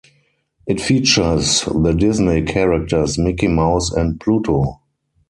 It features the Disney characters Mickey Mouse and Pluto.